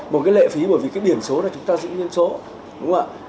một lệ phí bởi vì biển số chúng ta giữ nhân số